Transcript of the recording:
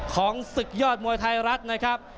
ของศึกยอดมวยไทยรัตน์นะครับ